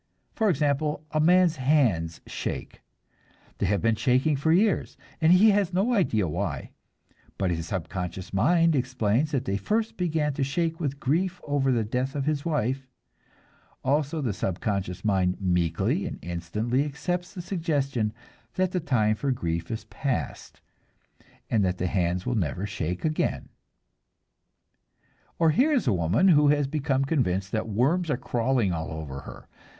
For example, a man's hands shake; they have been shaking for years, and he has no idea why, but his subconscious mind explains that they first began to shake with grief over the death of his wife; also, the subconscious mind meekly and instantly accepts the suggestion that the time for grief is past, and that the hands will never shake again. Or here is a woman who has become convinced that worms are crawling all over her.